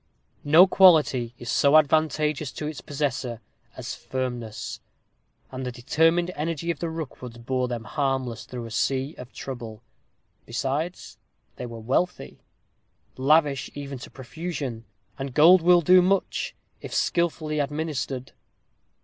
No quality is so advantageous to its possessor as firmness; and the determined energy of the Rookwoods bore them harmless through a sea of trouble. Besides, they were wealthy; lavish even to profusion; and gold will do much, if skilfully administered.